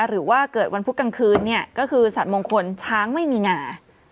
หรือว่าเกิดวันพุธกลางคืนเนี่ยก็คือสัตว์มงคลช้างไม่มีงา